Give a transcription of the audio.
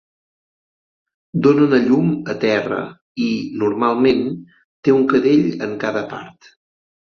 Donen a llum a terra i, normalment, té un cadell en cada part.